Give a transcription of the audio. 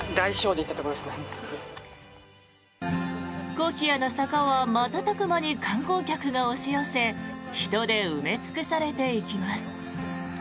コキアの坂は瞬く間に観光客が押し寄せ人で埋め尽くされていきます。